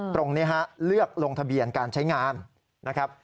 ตรงนี้ฮะเลือกลงทะเบียนการใช้งานนะครับ